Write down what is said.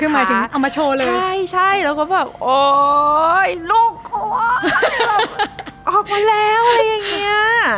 คือหมายถึงเอามาโชว์เลยใช่ใช่แล้วก็แบบโอ๊ยลูกโคออกมาแล้วอะไรอย่างเงี้ย